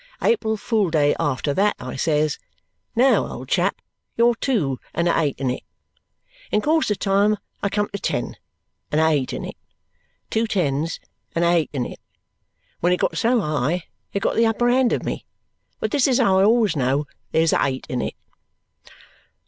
April Fool Day after that, I says, 'Now, old chap, you're two and a eight in it.' In course of time, I come to ten and a eight in it; two tens and a eight in it. When it got so high, it got the upper hand of me, but this is how I always know there's a eight in it."